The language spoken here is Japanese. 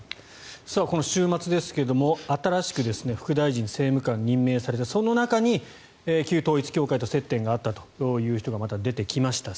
この週末ですが、新しく副大臣・政務官に任命されたその中に旧統一教会と接点があったという人がまた出てきました。